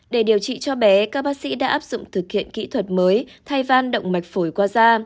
để điều trị cho bé các bác sĩ đã áp dụng thực hiện kỹ thuật mới thay van động mạch phổi qua da